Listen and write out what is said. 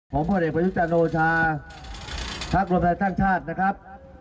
ผมผลเอกประยุจันทร์โอชาพักรวมไทยสร้างชาตินะครับ